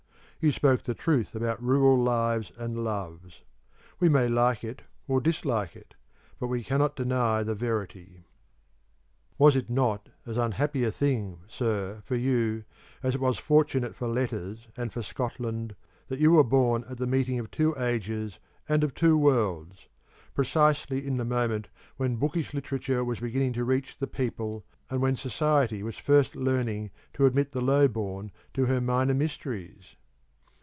You spoke the truth about rural lives and loves. We may like it or dislike it; but we cannot deny the verity. Was it not as unhappy a thing, Sir, for you, as it was fortunate for Letters and for Scotland, that you were born at the meeting of two ages and of two worlds precisely in the moment when bookish literature was beginning to reach the people, and when Society was first learning to admit the low born to her Minor Mysteries?